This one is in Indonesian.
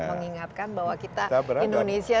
mengingatkan bahwa kita indonesia